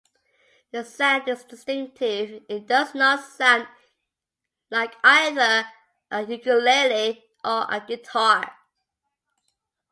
The sound is distinctive-it does not sound like either a ukulele or a guitar.